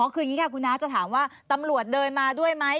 คืออย่างนี้ค่ะคุณน้าจะถามว่าตำรวจเดินมาด้วยไหม